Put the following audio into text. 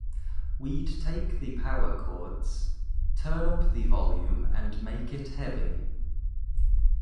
We'd take the power chords, turn up the volume and make it heavy.